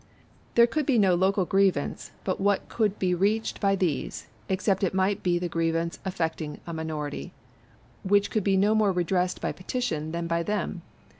There could be no local grievance but what could be reached by these, except it might be the grievance affecting a minority, which could be no more redressed by petition than by them.